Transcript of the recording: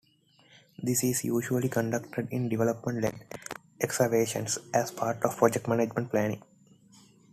This is usually conducted in development-led excavations as part of Project management planning.